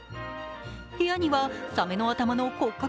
部屋にはサメの頭の骨格